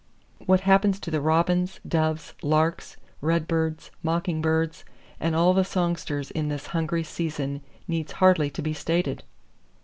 What happens to the robins, doves, larks, red birds, mocking birds and all songsters in this hungry season needs hardly to be stated.